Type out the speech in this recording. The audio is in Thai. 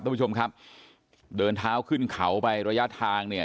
ทุกผู้ชมครับเดินเท้าขึ้นเขาไประยะทางเนี่ย